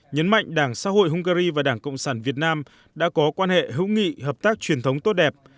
nhấn mạnh đảng xã hội hungary và đảng cộng sản việt nam đã có quan hệ hữu nghị hợp tác truyền thống tốt đẹp